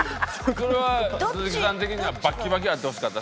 これは鈴木さん的にはバッキバキあってほしかった？